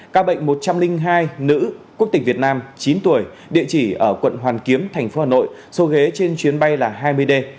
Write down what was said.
ca bệnh một trăm linh hai nữ quốc tịch việt nam chín tuổi địa chỉ ở quận hoàn kiếm tp hcm số ghế trên chuyến bay là hai mươi d